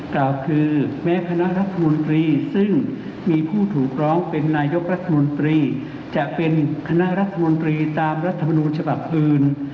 กล่าวคือแม้คณะรัฐมนตรีซึ่งมีผู้ถูกร้องเป็นนายกรัฐมนตรีจะเป็นคณะรัฐมนตรีตามรัฐมนูญฉบับอื่น